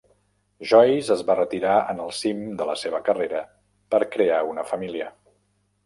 Joyce es va retirar en el cim de la seva carrera per crear una família.